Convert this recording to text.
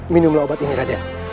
minumlah obat ini raden